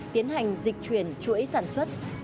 tiến hành dịch chuyển chuỗi sản xuất